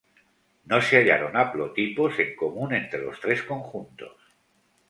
No se hallaron haplotipos en común entre los tres conjuntos.